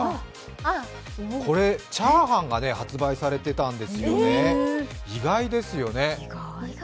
これ、チャーハンが発売されていたんですよね、意外ですよね。